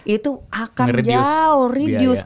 itu akan jauh reduce